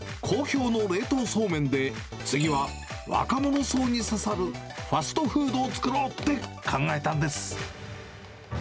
好評の冷凍そうめんで、次は若者層に刺さるファストフードを作ろうって考えたんです。